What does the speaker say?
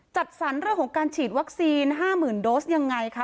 จัดสรรเรื่องของการฉีดวัคซีน๕๐๐๐โดสยังไงคะ